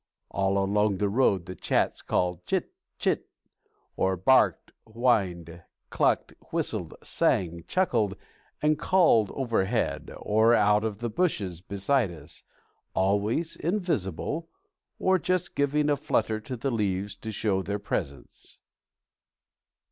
All along a road the Chats called chit, chit, or barked, whined, clucked, whistled, sang, chuckled and called overhead, or out of the bushes beside us, always invisible, or just giving a flutter to the leaves to show their presence.